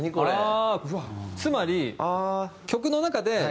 ああーつまり曲の中で。